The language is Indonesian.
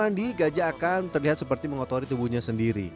mandi gajah akan terlihat seperti mengotori tubuhnya sendiri